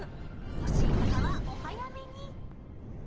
欲しい方はお早めに。